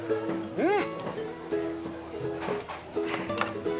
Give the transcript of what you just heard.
うん！